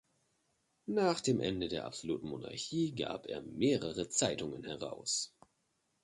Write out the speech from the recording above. Nach dem Ende der absoluten Monarchie gab er mehrere Zeitungen heraus.